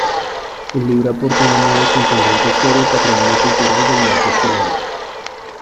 El libro aporta una nueva y contundente historia al patrimonio cultural del norte chileno.